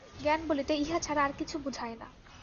জ্ঞান বলিতে ইহা ছাড়া আর কিছু বুঝায় না।